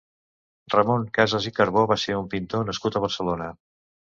Ramon Casas i Carbó va ser un pintor nascut a Barcelona.